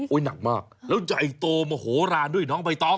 โอ๊ยหนักมากแล้วใจโตมาโหลานด้วยน้องใบตอง